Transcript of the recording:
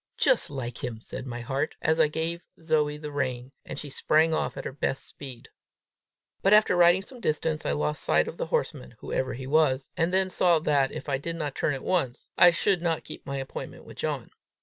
"Just like him!" said my heart, as I gave Zoe the rein, and she sprang off at her best speed. But after riding some distance, I lost sight of the horseman, whoever he was, and then saw that, if I did not turn at once, I should not keep my appointment with John.